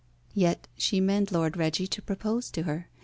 Yet she meant Lord Reggie to propose to her.